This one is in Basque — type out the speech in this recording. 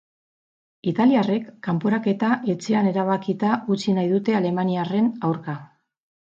Italiarrek kanporaketa etxean erabakita utzi nahi dute alemaniarren aurka.